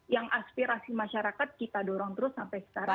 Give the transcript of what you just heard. yang aspirasi masyarakat kita dorong terus sampai sekarang